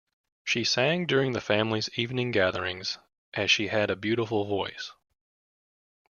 She sang during the family's evening gatherings, as she had a beautiful voice.